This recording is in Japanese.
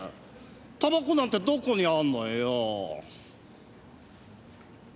タバコなんてどこにあんのよ。